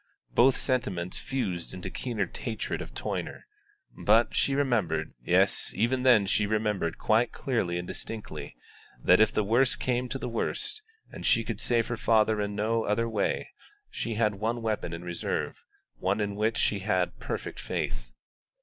Both sentiments fused into keener hatred of Toyner; but she remembered yes, even then she remembered quite clearly and distinctly that if the worst came to the worst and she could save her father in no other way, she had one weapon in reserve, one in which she had perfect faith.